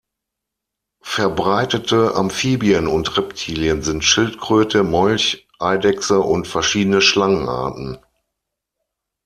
Verbreitete Amphibien und Reptilien sind Schildkröte, Molch, Eidechse und verschiedene Schlangenarten.